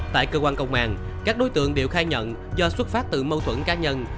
tại cơ quan công an các đối tượng đều khai nhận do xuất phát từ mâu thuẫn cá nhân